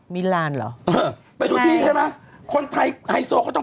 พี่เราหลุดมาไกลแล้วฝรั่งเศส